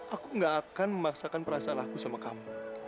aku gak akan memaksakan perasaan aku sama kamu